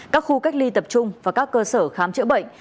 các khu cách ly tập trung và các cơ sở khám chữa bệnh